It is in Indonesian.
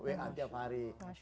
w a tiap hari